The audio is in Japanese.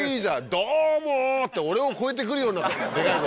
「どうも！」って俺を超えて来るようなでかい声。